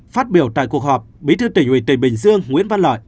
phát biểu tại cuộc họp bí thư tỉnh huy tỉnh bình dương nguyễn văn lợi